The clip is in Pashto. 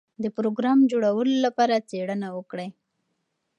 د پروګرام جوړولو لپاره څېړنه وکړئ.